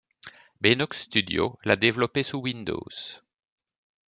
Beenox Studios l'a développé sous Windows.